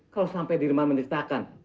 kalau sampai dirman mendistakan